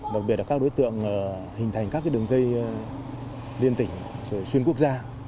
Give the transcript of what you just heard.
đặc biệt là các đối tượng hình thành các đường dây liên tỉnh xuyên quốc gia